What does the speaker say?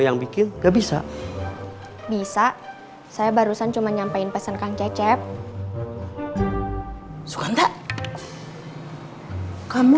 yang bikin gak bisa bisa saya barusan cuma nyampein pesen kang cecep suka enggak kamu